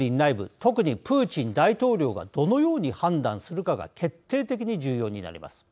特にプーチン大統領がどのように判断するかが決定的に重要になります。